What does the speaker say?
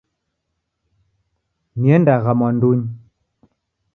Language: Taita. Niendagha mwandunyi.